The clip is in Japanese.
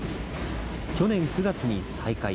去年９月に再開。